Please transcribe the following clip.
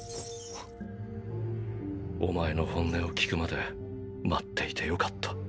お前の本音を聞くまで待っていてよかった。